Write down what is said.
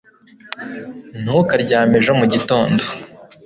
Ntukaryame ejo mu gitondo